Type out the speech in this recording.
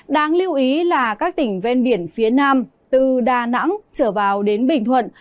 đáng lưu ý là các tỉnh ven biển phía nam từ đà nẵng trở vào đến bình thuận